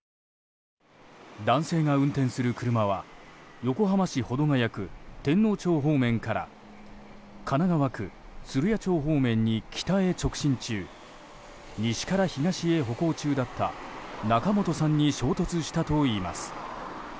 男性が運転する車は横浜市保土ケ谷区天王町方面から神奈川区鶴屋町方面に北へ直進中西から東へ歩行中だった仲本さんに衝突したといいます。